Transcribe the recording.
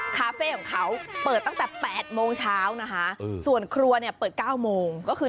คาเฟ่ของเขาเปิดตั้งแต่๘มงเดี๋ยวส่วนครัวเปิด๙มีนาที